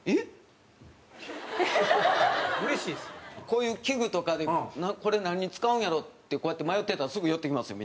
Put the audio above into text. こういう器具とかでもこれ何に使うんやろう？ってこうやって迷ってたらすぐ寄ってきますよ